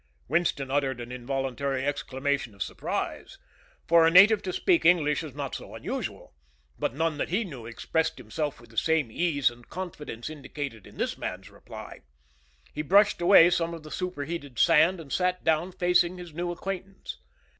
Winston uttered an involuntary exclamation of surprise. For a native to speak English is not so unusual; but none that he knew expressed himself with the same ease and confidence indicated in this man's reply. He brushed away some of the superheated sand and sat down facing his new acquaintance.